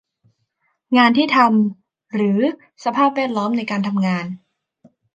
งานที่ทำ หรือ สภาพแวดล้อมในการทำงาน